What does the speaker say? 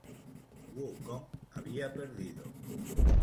Wukong había perdido.